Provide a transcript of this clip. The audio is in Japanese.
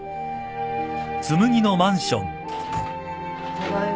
ただいま。